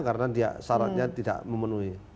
karena dia saratnya tidak memenuhi